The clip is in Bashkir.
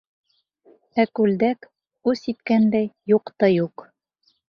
Ә күлдәк, үс иткәндәй, юҡ та юҡ.